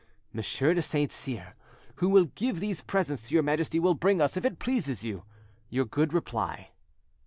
Monsieur de Saint Cyr, who will give these presents to your Majesty, will bring us, if it pleases you, your good reply.